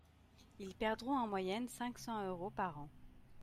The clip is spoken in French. Ils perdront en moyenne cinq cents euros par an.